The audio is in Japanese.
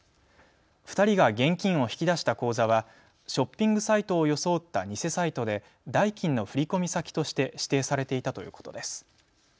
２人が現金を引き出した口座はショッピングサイトを装った偽サイトで代金の振込先として指定されていたということです。